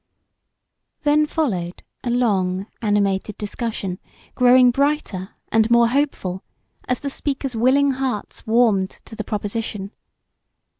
Then followed a long, animated discussion, growing brighter and more hopeful as the speakers' willing hearts warmed to the proposition.